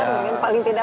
mungkin paling tidak